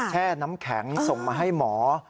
แช่น้ำแข็งส่งมาให้หมอ